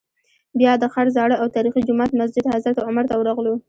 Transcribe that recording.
بیا د ښار زاړه او تاریخي جومات مسجد حضرت عمر ته ورغلو.